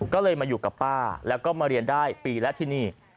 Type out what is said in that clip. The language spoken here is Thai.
ก็เลยมาอยู่กับป้าแล้วก็มาเรียนได้ปีแล้วที่นี่